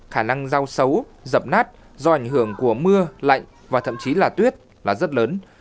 khả năng rau sấu dập nát do ảnh hưởng của mưa lạnh và thậm chí là tuyết là rất lớn